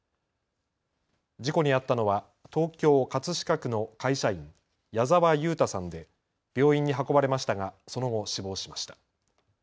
事故に遭ったのは東京葛飾区の会社員、谷澤勇太さんで病院に運ばれましたがその後、死亡しました。